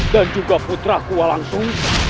dan juga putraku walang sungka